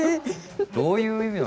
どういう意味よ。